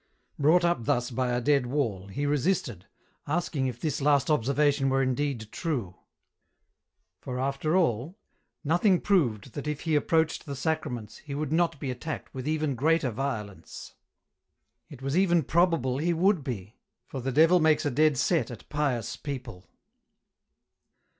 Brought up thus by a dead wall, he resisted, asking if this last observation were indeed true ; for, after all, nothing proved that if he approached the Sacraments he would not be attacked with even greater violence. It was even probable he would be, for the devil makes a dead set at pious people.